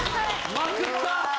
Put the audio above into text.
まくった！